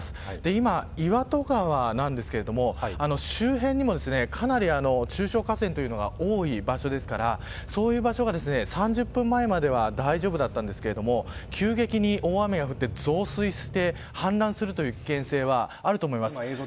今、岩戸川なんですけど周辺にもかなり中小河川というのが多い場所ですからそういう場所は３０分前までは大丈夫だったんですが急激に大雨が降って、増水して氾濫するという危険性はあると思います。